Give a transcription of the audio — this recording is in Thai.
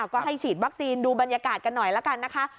ก็ให้ฉีดวัคซีนดูบรรยากาศกันหน่อยละกันนะคะ